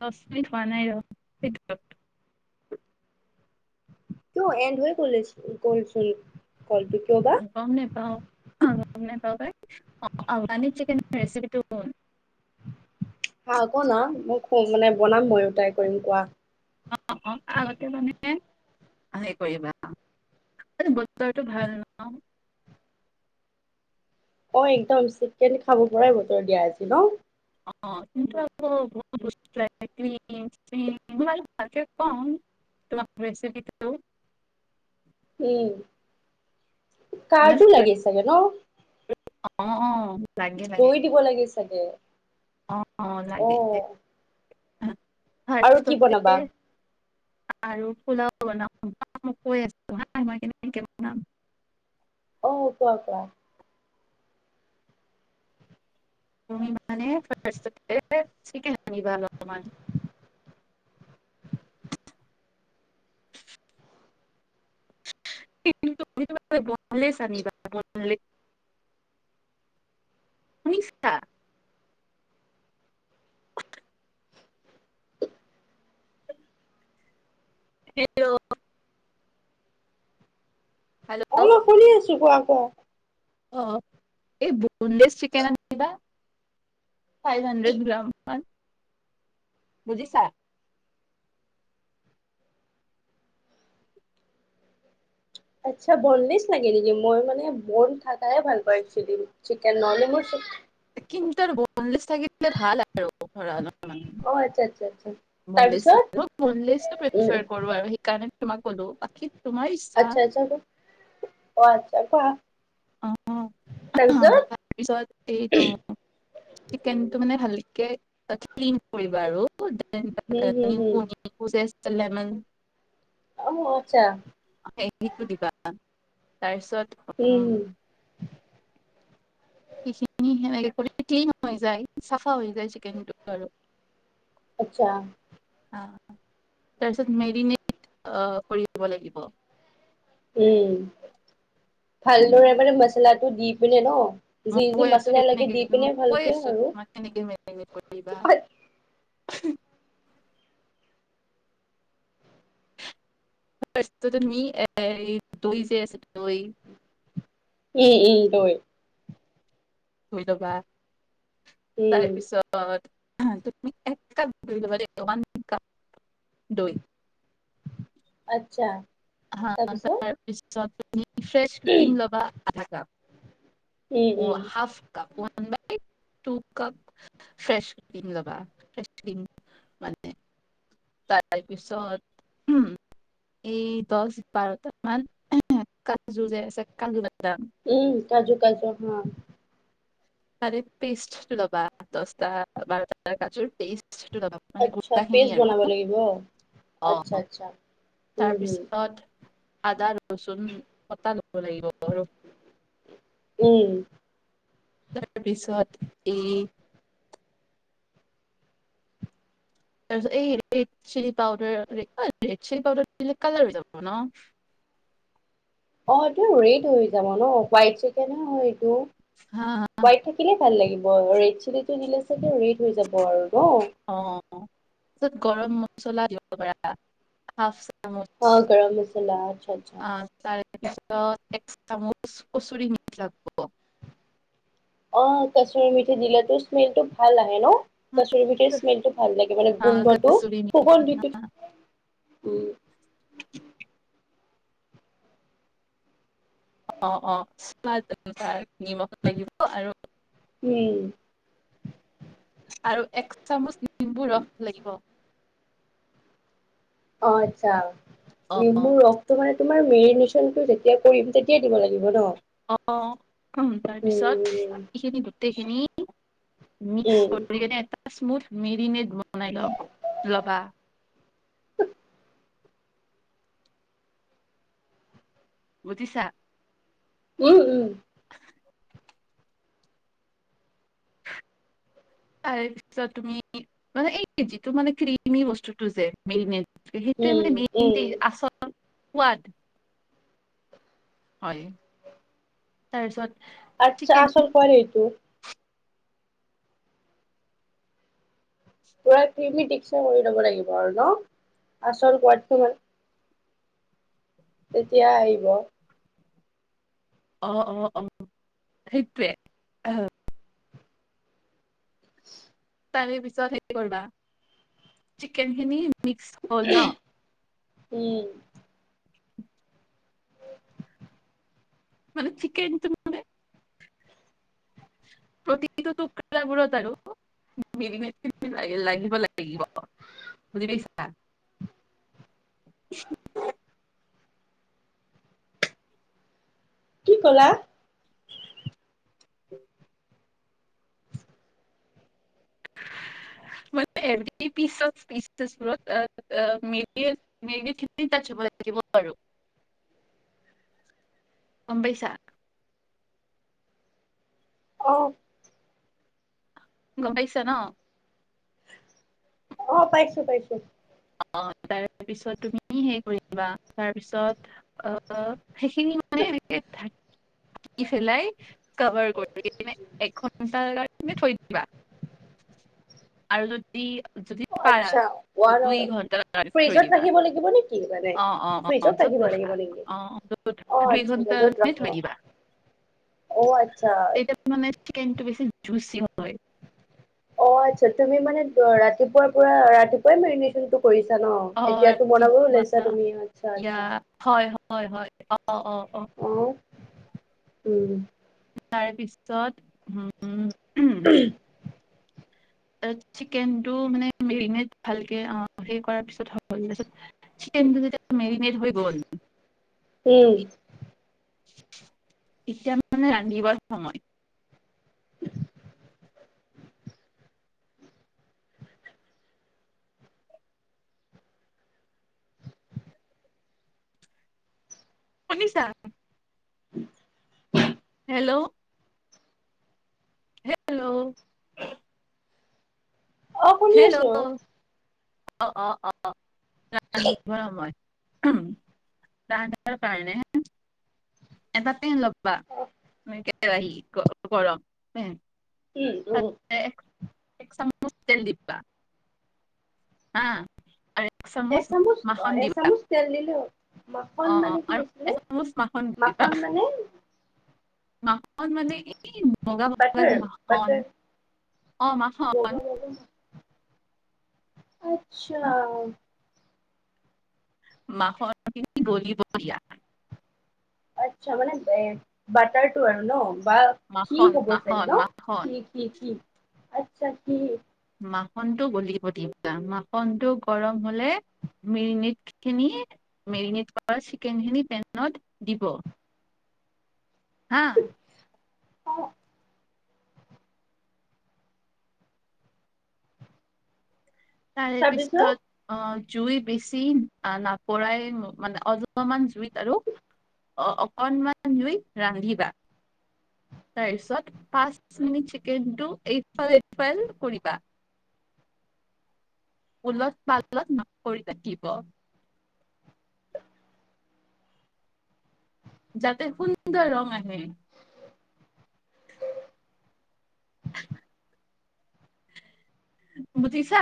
দচ মিনিত হোৱা নাই ৰ। কিয় এণ্ড হৈ গ গচোন [inaudible] কলটো কিয় বা? অ' গম নাই পাই অ' আফগানি চিকেন ৰেচিপিটো ক হা ক না মই খ মানে বনাম ময়ো ট্ৰাই কৰিম কোৱা অ' অ' আগতে মানে হেৰি কৰিবা বছৰটো ভাল ন। অ' একদম চিকেন খাব পৰাই বতৰ দিয়া আজি ন? অ' কিন্তু আকৌ বহুত বস্তু খিনি ল ভালকে খোৱাম ৰেচিপিটো উম মানে কাৰডো লাগি চাগে ন অ অ লাগে লাগে দৈ দিব লাগে চাগে অ' অ' লাগেছে অ [inaudible] আৰু কি ভাৰততে বনাবা [inaudible] আৰু পোলাও বনাম মই কৈ আছোঁ মই কেকে বনাম অ কোৱা কোৱা তুমি মানে ফাৰ্ষ্টতে চিকেন আনিবা অলপমান [unintelligible] শুনিছা হেল্ল অ হেল্ল' মই শুনি আছো কোৱা ক অ এই বন্দেজ চিকেন আনিবা ফাইভ হাণ্ড্ৰেড গ্ৰাম হয় বুজিছা আচ্ছা বনলেছ লাগে নেকি মই মানে বন থাক তাইে ভাল পাই একছোৱৈলী চিকেন ন মই চিকেন কিন্তু বনলেছ থাকিলে ভাল আৰু ধৰা অলপ অ আচ্ছা আচ্ছা আচ্ছা বন তাৰপিছত বনো উম আৰু সেইকাৰণে তোমাক কলো আ আচ্ছা আচ্ছা অ [unintelligible] অ তাৰপিছত তাৰপিছত এইটো চিকেনটো মানে ভালকে কে নাথিঙ কৰিবা আৰু হম হম হম [unintelligible] লেমন অ আচ্ছা দিবা তাৰপিছত উম সিখিনি সেনেকে কৰি ক্লিন হৈ যায় চাফা হৈ যায় চিকেনটো আৰু আচ্ছা তাৰপিছত মেৰিনেট কৰি দিব লাগিব উম ভালদৰে মানে মচালাটো দি পিনে ন মই যি যি কৈ আছো মচালা লাগে কেনেকে দি মই পিনে কৈ ভালকে আছো আৰু তোমাক কেনেকে মেৰিনেট কৰিবা [unintelligible] [unintelligible] উম উম দৈ শুই লবা উম তাৰপিছত তুমি একাপ দৈ লবা দেই ওৱান কাপ দৈ আত্ছা হা তাৰপিছত তুমি ফ্ৰেছ উম ক্ৰীম ল'বা। আধা cup. Um half cup one by two cup fresh cream ল'বা। ফ্ৰেছ ক্ৰীম মানে তাৰপিছত উম এই দহ বাৰটা মান কাজু যে আছে কাজু বাদাম উম কাজু কাজু হা তাৰে পেষ্ট ল'বা। দচটা বাৰটাটা কাজুৰ পেষ্ট আচ্ছা পেষ্ট বনাব লাগিব অ, আচ্ছা আচ্ছা তাৰ উম হম পিছত আদা ৰচুন কটা ল'ব লাগিব আৰু উম তাৰ পিছত এই তাৰ পিছত এই red chilli powder red chilli powder colour হৈ যাব ন অ' এইটো ৰেড হৈ যাব ন? হোৱাইট চিকেন হয়। হা হোৱাইট থাকিলে ভাল লাগিব। ৰেড চিলি টো দিলে ৰেড হৈ যাব আৰু ন অ' তাৰপিছত গৰম মছলা দি কৰা হাফ চা হা গৰম মছালা আচ্ছা আচ্ছা তাৰপিছত এক চামুচ কচুৰি মিঠি লাগিব অ' কাস্তৰী মিঠি দিলো স্মেল টো ভাল আহে ন কাচুৰি মিঠিৰ স্মেলটো ভাল লাগে মানে হা গোন্ধটো কচুৰি মেথি সুগন্ধটো অ' অ' অ' নিমখ লাগিব আৰু উম আৰু এক চামুচ নিম্বু ৰস লাগিব অ' আচ্ছা অ নেমুৰ ৰস টো মানে তোমাৰ মেৰিনেশ্যনটো যেতিয়া কৰিম তেতিয়া দিব লাগিব ন? অ' অ' তাৰ পিছত উম, এইখিনি গোটেই খিনি মিক্স উম, কৰি লৈ স্মুথ মেৰিনেড বনাই ল'বা। বুজিছা [inaudible] উম উম তাৰে পিছত তুমি মানে এই যিটো মানে ক্ৰিমি বস্তুতটো যে মেৰিনেত সেইটোৱে উম, মানে মেইনটি উম। আচল সোৱাদ হয় তাৰ পাছত আচ্ছা আচল সোৱাদ সেইটো পুৰা কিৰমি টিকচাৰ কৰি লব লাগিব আৰু ন আচল সোৱাদটো মানে তেতিয়া আহিব। অ', - অ ', - অ ', সেইটোৱে আহ', [inaudible] তাৰে পিছত হে কৰিবা, চিকেন খিনি মিক্স হল ন? উম', মানে চিকেন তো মানে? প্ৰতিটো টুকবোৰত আৰু মেৰিনেট লাগিব -লাগিব বুজি পাইছা? [inaudible] কি কলা? মানে এভেৰী পিছত -পিছবোৰত আহ', - আহ', মেৰিনেট -মেৰিনেট খিনি টাচ্ছ হব লাগিব আৰু গম পাইছা? অহ ', গম পাইছা ন? আহ', পাইছো- পাইছো। অ ', তাৰ পিছত তুমি হে কৰিবা, তাৰপিছত অ', সেইখিনি মানে এনেকে থাক ই ফিলাই কভাৰ কৰি কিনে এক ঘণ্টাৰ তুমি থৈ দিবা। আৰু যদি যদি অ ', পাৰা আচ্ছা ৱা দুই হেল্ল ঘন্টাৰ ', কাৰণে থৈ ফ্ৰিজত দিবা ৰাখিব লাগিব নেকি মানে, অ', অ', অ', ফ্ৰিজত য'ত ৰাখিব ৰাখা লাগিব নেকি? অ', য'ত ৰাখা অ ', দুই আচ্ছা', যত ঘন্টামানে ৰাখ থৈ দিবা। অ', আচ্ছা ', তেতিয়া মানে চিকেনটো বেছি জুচি হয়। অ', আচ্ছা', তুমি মানে ৰাতিপুৱাৰ পৰা ৰাতিপুৱাই মেৰিনেট তো কৰিছা ন', অ', এতিয়াতো বনাব ৰাতিপুৱা ওলাইছা তুমি আচ্ছা', - ইয়া আচ্ছা', হয়, হয়', - হয়', অ', অ', অ', আহ', উম', তাৰ পিছত উম', [unintelligible] তাত চিকেনটো মানে মেৰিনেট ভালকে অ', সেই কৰাৰ পিছত হ'ল, তাপিছত চিকেনটো যেতিয়া মেৰিনেট হৈ গ'ল কি? এতিয়া মানে ৰান্ধিবৰ সময়। [unintelligible] শুনিছা? [inaudible] হেল্ল', হেল্ল', অ', শুনি আছো। হেল্ল', অ অ অ [unintelligible] উম তাৰ কাৰণে এটা পেন লব বা মই কে আহি কৰউক উম উ এক চামুচ তেল দিবা হা আৰু এক চামুচ এচামুচ মাখন দিবা এচামুচ তেল দিলো মাখন অ অ মানে কি আৰু আছিলে এচামুচ দিবা মাখন মানে মাখন মানে বগা বগা তাকে যে আৰু মাখন তাকে অ মাখন বগা বগা আচ্ছা মাখন খিনি গলিব দিয়া আচ্ছা মানে এ বাটাৰটো আৰু ন বা কি মাখন হ'ব চাগে মাখন ন মাখন কি কি কি? আত্ছা কি মাখন টো গলিব দি পেলা মাখনটো গৰম হলে মেৰিনেট খিনি মেৰিনেট কৰা চিকেন খিনি পেনত দিব হা অ তাৰে তাৰপিছত পিছত অ জুই বেছি নপৰাই মানে অলপমান জুইত আৰু অ অকনমান জুই ৰান্ধিবা তাৰপিছত পাঁচ মিনিট চিকেনটো এই ফাল এই ফাল কৰিবা, উলত পালত কৰিব লাগিব যাতে সুন্দৰ ৰং আহে বুজিছা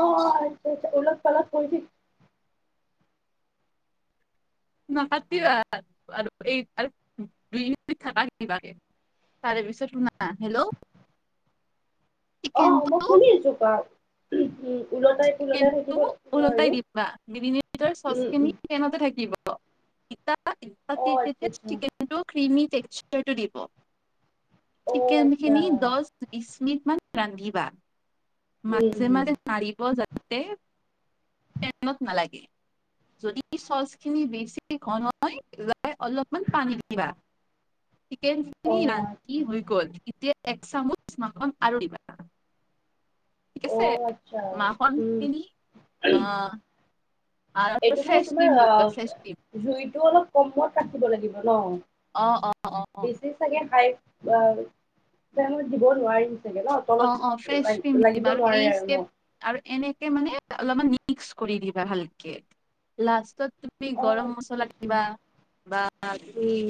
অ অ আচ্ছা আচ্ছা ওলত পালত কৰিছে নাপাতিবা আৰু এই দুই থাকিব দিবা তাৰে পিছত শুনা হেল্ল' অ মই চিকেনটো শুনি আছো কোৱা [unintelligible] পোলটাই কিন্তু থাকিব লাগিব আৰু ওলটাই দিবা চচ উম খিনি উম ফেনতে থাকিব পিতাপ অ আচ্ছা আচ্ছা চিকেন ক্ৰীমি টেকসাৰটো দিব অ চিকেন আচ্ছা খিনি দহ বিশ মিনিট মান ৰান্ধিবা মাজে উম মাজে পাৰি চচ খিনি বেছিকে গৰম হয় অলপমান পানী দিবা [inaudible] চিকেন উম অ খিনি ৰান্ধি আচ্ছা হৈ আচ্ছা গ'ল এতিয়া এক চামুচ মান আৰু দিবা। ঠিক অ আছে। আচ্ছা উম মাখনখিনি অ' আৰু এইটো মানে ফ্ৰেছ তোমাৰ ক্ৰীম দিবা ফ্ৰেছ ক্ৰীম অ' জুইতটো অলপ কমত কাটিব লাগিব ন অ অ অ অ বেছি চাগে হাই অ' তেওঁ দিব নোৱাৰি অ' অ' ফ্ৰেচ ক্ৰীম দি দিবা আৰু নোৱাৰে এই ন ষ্টেপ আৰু এনেকে মানে। অলপমান মিক্স কৰি দিবা ভালকে লাষ্টত তুমি অ গৰম আচ্ছা মছলা আচ্ছা দিবা উম বা উম তুমি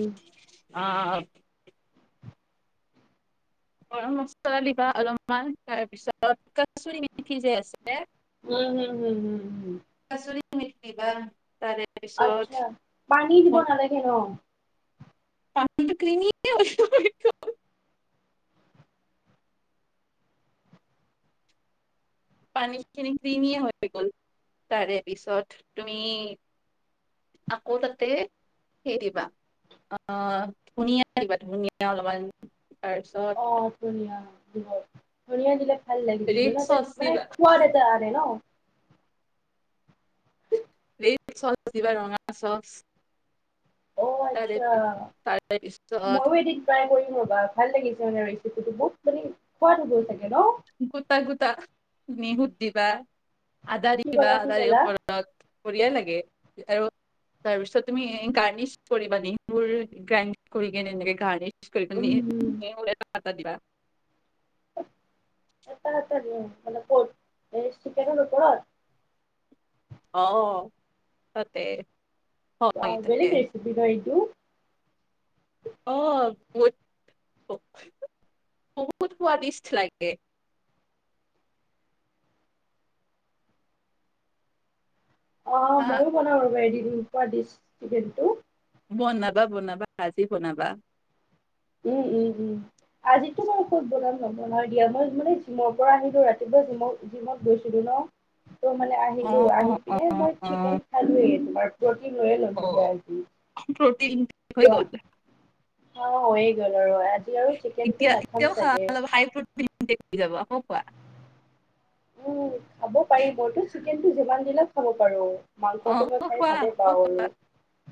অ' গৰম মচলা দিবা অলপমান তাৰপিছত কচটুৰি মিঠি যে আছে উম উম উম উম উম কচটুৰি মিঠি বা তাৰে পিছত আচ্ছা পানী দিব নালাগে ন? পানী কিনিলে অ' পানী খিনি কিনিয়ে হৈ গল তাৰে পিছত তুমি আকৌ তাতে সেই দিবা আহ ধনীয়া দিবা ধনীয়া অলপমান। তাৰপিছত অ' ধনিয়া হয় ধনীয়া দিলে। ভাল লাগি ৰেড ধনিয়া দিলে ন চচ মানে দিবা সোৱাদ এটা আহে ন? ৰেদ চচ দিবা ৰঙা চচ অ' তাৰে আচ্ছা তাৰে পিছত ময়ো এদিন ট্ৰাই কৰিম ৰ'বা ভাল লাগিছে মানে যিটো বহুত মানে খোৱাটো গল চাগে ন? গোটা গোটা নি সুধ দিবা [inaudible] আদা কি দিবা ক'লা কি আদা দিবা ক'লা ওপৰত বঢ়িয়া লাগে আৰু তাৰপিছত তুমি গাৰ্নিচ কৰিবা নে সেইবোৰ গ্ৰাইণ্ড কৰি কিনে এনেকে গাৰ্নিচ কৰিবা উম নি উম আদা দিবা এটা এটা দিয়া মানে ক'ত চিকেনৰ ওপৰত অ' তাতে বা হয় তাতে বেলেগ ৰেচেপি ন এই কি অ বহুত সোৱাদিষ্ট লাগে অ হা ময়ো বনাওঁ ৰব এদিন উপোৱা দিছ কিন্তু বনাবা বনাবা আজি বনাবা উম উম উম আজিতো মই ক'ত বনাম নবনাও দিয়া মই মানে জিমৰ পৰা আহিলো ৰাতিপুৱা জিমত জিমত গৈছিলো ন। ত মানে অ আহিলো অ আহি অ পিনে মই অ চিকেন খালোৱেই তোমাৰ প্ৰটিন লৈয়ে ললো দিয়া আজি টিফিন হৈ গ'ল অ হৈয়ে গল আৰু আজি আৰু চিকেনটো এতিয়া নাখাম এতিয়াও খ চাগে। অলপ হাই প্ৰতিন হৈ যাব অ কোৱা উম খাব পাৰিবতো চিকেনটো যিমান দিলেও খব পাৰো অ মাংসটো মই আকৌ খাই খোৱা ভালে আকৌ পাওঁ আৰু খোৱা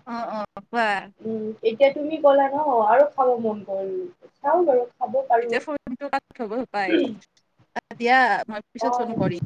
অ অ খোৱা উম এতিয়া তুমি ক'লা ন আৰু খাব মন কৰিল চাও লও তেতিয়া ফোনটো কাত খাব সপায় সতিয়াপ মই পিছত ফোন অ কৰিম